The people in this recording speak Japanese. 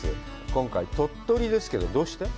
今回鳥取ですけど、どうして？